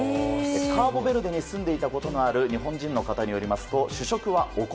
カーボベルデに住んでいたことのある日本人の方によりますと主食はお米。